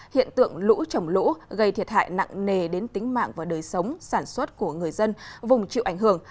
hiện tượng lũ trồng lũ gây thiệt hại nặng nề đến tính mạng và đời sống sản xuất của người dân vùng chịu ảnh hưởng